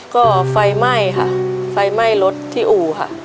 ก็ไฟไหม้ค่ะไฟไหม้รถที่อู่ค่ะ